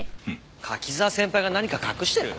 柿沢先輩が何か隠してる？